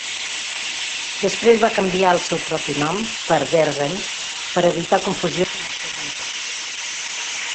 Després va canviar el seu propi nom per Dearden per evitar confusions amb el seu mentor.